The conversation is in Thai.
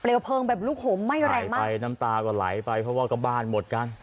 เพลิงแบบลุกห่มไหม้แรงมากไปน้ำตาก็ไหลไปเพราะว่าก็บ้านหมดกัน